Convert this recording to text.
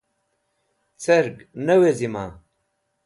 Cerg ne wezima